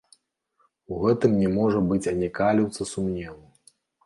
У гэтым не можа быць ані каліўца сумневу.